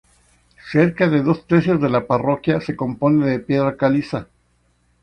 Cerca de dos tercios de la parroquia se compone de piedra caliza.